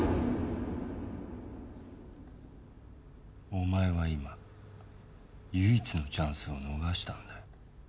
お前は今唯一のチャンスを逃したんだ。